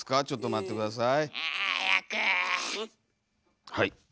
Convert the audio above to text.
ちょっと待って下さい。